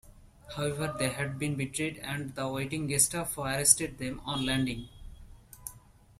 However, they had been betrayed and the waiting Gestapo arrested them on landing.